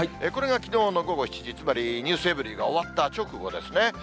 これがきのうの午後７時、つまりｎｅｗｓｅｖｅｒｙ．が終わった直後ですね。